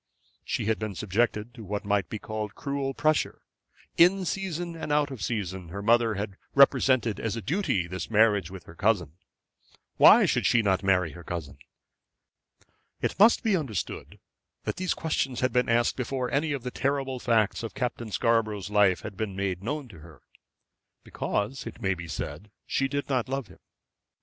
She had been subjected to what might be called cruel pressure. In season and out of season her mother had represented as a duty this marriage with her cousin. Why should she not marry her cousin? It must be understood that these questions had been asked before any of the terrible facts of Captain Scarborough's life had been made known to her. Because, it may be said, she did not love him.